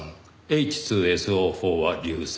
Ｈ２ＳＯ４は硫酸。